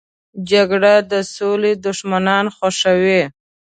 جګړه د سولې دښمنان خوښوي